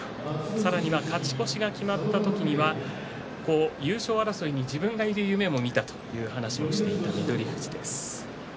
さらには勝ち越しが決まった時には優勝争いに自分がいる夢をみたという話をしていた翠富士です。